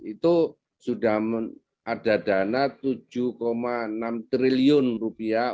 itu sudah ada dana tujuh enam triliun rupiah